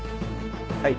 はい。